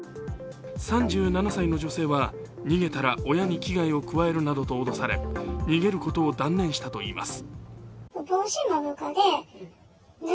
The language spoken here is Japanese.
３７歳の女性は逃げたら親に危害を加えるなどと脅され、逃げることを断念したといいます。